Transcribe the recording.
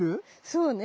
そうね。